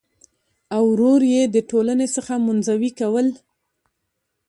او ور ور يې د ټـولنـې څـخـه منـزوي کـول .